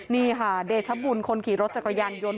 นี่ค่ะเดชบุญคนขี่รถจักรยานยนต์